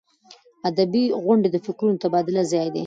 ادبي غونډې د فکرونو د تبادلې ځای دی.